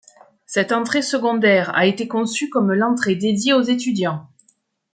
Cette entrée secondaire a été conçue comme l'entrée dédiée aux étudiants.